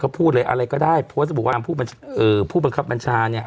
เขาพูดเลยอะไรก็ได้เพราะสมมติว่าผู้บัญชาเนี่ย